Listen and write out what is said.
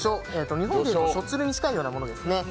日本で言うしょっつるに近いものですね。